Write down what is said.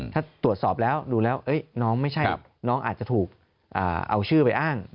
ถ้าตรวจสอบแล้วดูแล้วเนาะไม่ใช่เงาะน้องน้องอาจจะถูกเอาชื่อไปอ้างนะครับ